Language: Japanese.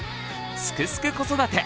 「すくすく子育て」